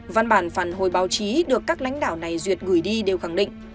văn bản phản hồi báo chí được các lãnh đạo này duyệt gửi đi đều khẳng định